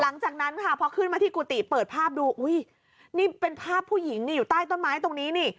หลังจากนั้นค่ะพอขึ้นมาที่กุฏิเปิดภาพดูอุ้ยนี่เป็นภาพผู้หญิงนี่อยู่ใต้ต้นไม้ตรงนี้นี่